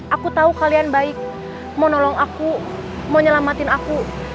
aku tahu kalian baik mau nolong aku mau nyelamatin aku